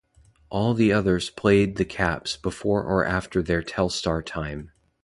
All the others played the caps before or after their Telstar time.